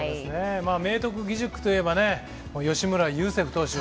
明徳義塾といえば、吉村優聖歩投手。